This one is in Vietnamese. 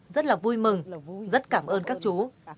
rất là vui mừng rất cảm ơn các chú